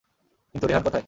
কিন্তু, রেহান কোথায়?